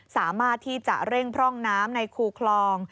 สามารถที่จะเร่งพร่องน้ำในคูคลอง